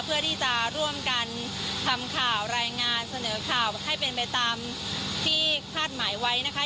เพื่อที่จะร่วมกันทำข่าวรายงานเสนอข่าวให้เป็นไปตามที่คาดหมายไว้นะคะ